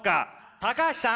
高橋さん